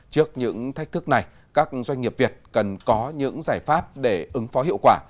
trước những thách thức này các doanh nghiệp việt cần có những giải pháp để ứng phó hiệu quả